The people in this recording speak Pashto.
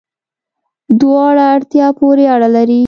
دواړه، اړتیا پوری اړه لری